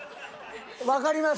わかります。